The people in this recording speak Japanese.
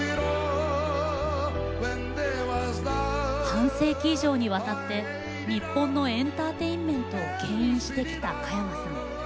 半世紀以上にわたって日本のエンターテインメントをけん引してきた加山さん。